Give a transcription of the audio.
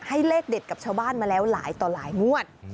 เลขเด็ดกับชาวบ้านมาแล้วหลายต่อหลายงวด